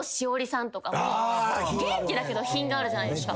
元気だけど品があるじゃないですか。